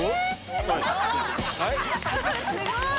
すごい！